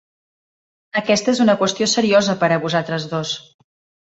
Aquesta és una qüestió seriosa per a vosaltres dos.